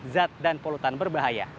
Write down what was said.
zat dan polutan berbahaya